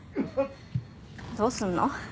どうすんの？